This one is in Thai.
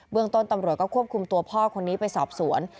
ต้นตำรวจก็ควบคุมตัวพ่อคนนี้ไปสอบสวน